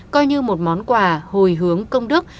coi như một món quà hồi hướng công đức